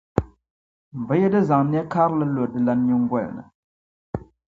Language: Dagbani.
bɛ yi di zaŋ nɛ’ karili lo dilan’ nyiŋgoli ni.